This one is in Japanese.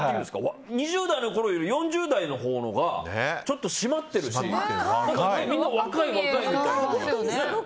２０代のころより４０代のほうがちょっと締まってるしみんな若い若いみたいな。